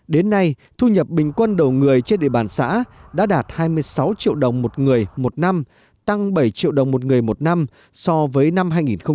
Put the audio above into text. đến nay thu nhập bình quân đầu người trên địa bàn xã đã đạt hai mươi sáu triệu đồng một người một năm tăng bảy triệu đồng một người một năm so với năm hai nghìn một mươi